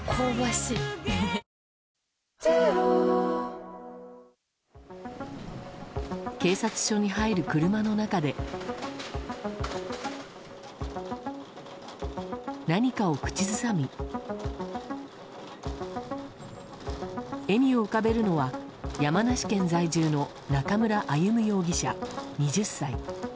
新発売警察署に入る車の中で何かを口ずさみ笑みを浮かべるのは山梨県在住の中村歩武容疑者、２０歳。